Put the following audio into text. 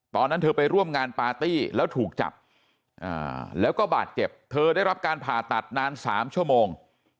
ตอนนั้นเธอไปร่วมงานปาร์ตี้แล้วถูกจับแล้วก็บาดเจ็บเธอได้รับการผ่าตัดนาน๓ชั่วโมง